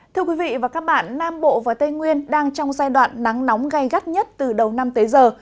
thưa quý vị và các bạn nam bộ và tây nguyên đang trong giai đoạn nắng nóng gây gắt nhất từ đầu năm tới giờ